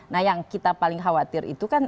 nah yang kita paling khawatir itu kan